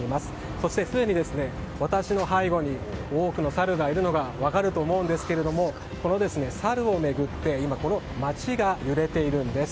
そしてすでに私の背後に多くのサルがいるのが分かると思うんですけれどもサルを巡って今、この街が揺れているんです。